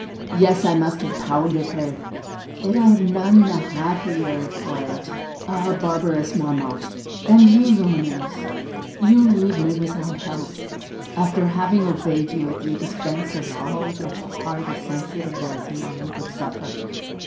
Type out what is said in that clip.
Yes, I must have pounded her; yet I am none the happier for it. Ah, barbarous Marmotte! And you, Lumineuse, you leave me without help, after having obeyed you at the expense of all which a heart as sensitive as mine could suffer!"